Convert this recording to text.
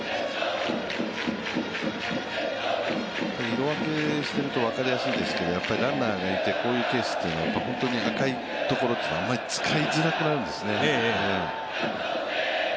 色分けしてると分かりやすいですけどランナーがいて、こういうケースというのは本当に赤いところはあまり使いづらくなるんですね。